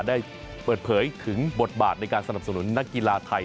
ได้เปิดเผยถึงบทบาทในการสนับสนุนนักกีฬาไทย